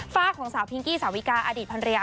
ฟ้าของสาวพิงกี้สาววิกาอดีตพันเรีย